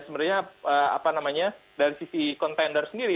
sebenarnya dari sisi contender sendiri